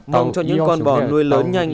mong cho những con bò nuôi lớn nhanh